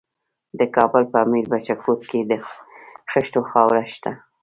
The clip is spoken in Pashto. د کابل په میربچه کوټ کې د خښتو خاوره شته.